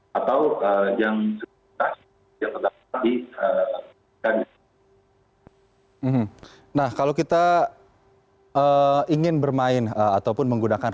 karena bagaimana kalau dia dengan sengaja melakukan jualan